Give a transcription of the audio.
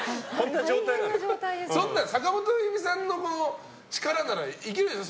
そんなの坂本冬美さんの力ならいけるでしょ。